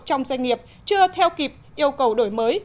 trong doanh nghiệp chưa theo kịp yêu cầu đổi mới